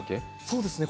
そうですね